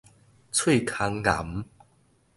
喙空癌